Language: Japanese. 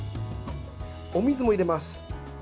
お水も入れます。